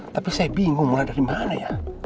tapi saya bingung mulai dari mana ya